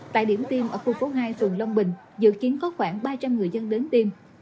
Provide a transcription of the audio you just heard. tại điểm tiêm ở khu phố hai phường long bình dự kiến có khoảng ba trăm linh người dân đến tiêm